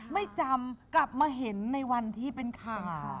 ไม่จำกลับมาเห็นในวันที่เป็นข่าว